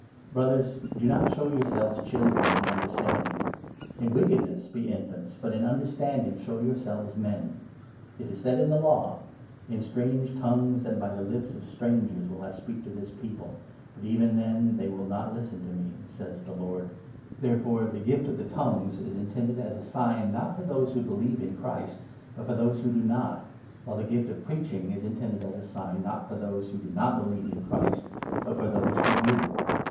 ' Brothers, do not show yourselves children in understanding. 20 In wickedness be infants, but in understanding show your selves men. It is said in the Law — 21 ( In strange tongues and by the lips of strangers will I speak to this people, but even then they will not listen to me, says the Lord.' » I.a. rf. n. 326 I. CORINTHIANS, 14. Therefore the gift of the ' tongues ' is intended as a sign, not 22 for those who believe in Christ, but for those who do not, while the gift of preaching is intended as a sign, not for those who do not believe in Christ, but for those who do.